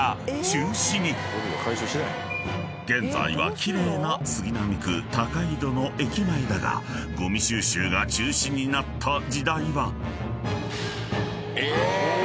［現在は奇麗な杉並区高井戸の駅前だがゴミ収集が中止になった時代は］え！